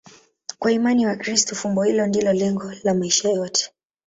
Kwa imani ya Wakristo, fumbo hilo ndilo lengo la maisha yote.